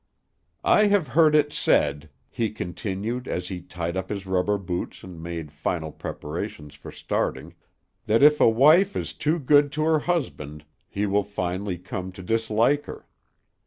"I have heard it said," he continued, as he tied up his rubber boots and made final preparations for starting, "that if a wife is too good to her husband, he will finally come to dislike her.